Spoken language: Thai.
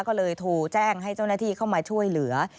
ก็เลยโทรแจ้งให้เจ้าหน้าที่เข้ามาช่วยเหลือ